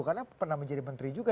karena pernah menjadi menteri juga